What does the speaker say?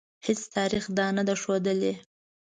هیڅ تاریخ دا نه ده ښودلې.